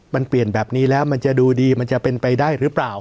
มันเปลี่ยนแบบนี้แล้วมันจะดูดีมันจะเป็นไปได้หรือเปล่า